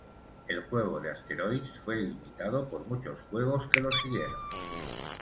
El juego de asteroids fue imitado por muchos juegos que lo siguieron.